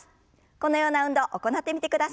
このような運動行ってみてください。